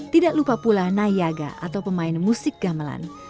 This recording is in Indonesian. tidak lupa pula nayaga atau pemain musik gamelan